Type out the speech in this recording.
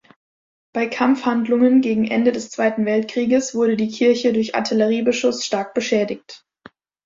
Bei Kampfhandlungen gegen Ende des Zweiten Weltkrieges wurde die Kirche durch Artilleriebeschuss stark beschädigt.